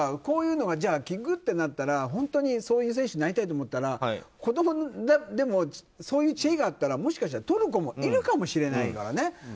こういうのが効くってなったら本当に、そういう選手になりたいと思ったら、子供でもそういう知恵があったらもしかしたら取る子もいるかもしれないからね。